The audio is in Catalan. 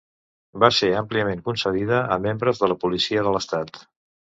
Va ser àmpliament concedida a membres de la policia de l'estat.